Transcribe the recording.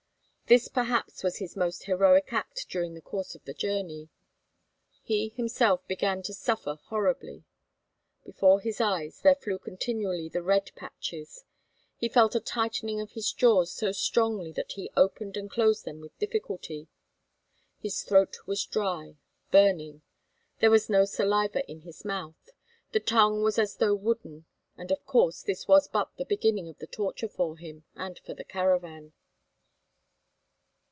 This perhaps was his most heroic act during the course of the journey. He himself, however, began to suffer horribly. Before his eyes there flew continually the red patches. He felt a tightening of his jaws so strongly that he opened and closed them with difficulty. His throat was dry, burning; there was no saliva in his mouth; the tongue was as though wooden. And of course this was but the beginning of the torture for him and for the caravan.